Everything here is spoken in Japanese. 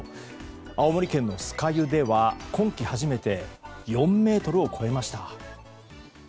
青森県の酸ヶ湯では今季初めて、４ｍを超えました。